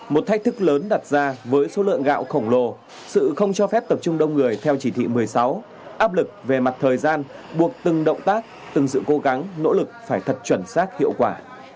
một thách thức lớn đặt ra với số lượng gạo khổng lồ sự không cho phép tập trung đông người theo chỉ thị một mươi sáu áp lực về mặt thời gian buộc từng động tác từng sự cố gắng nỗ lực phải thật chuẩn xác hiệu quả